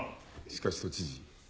しかし都知事。